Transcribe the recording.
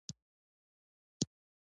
دا ژورنال تاریخي او انتقادي اړخونه څیړي.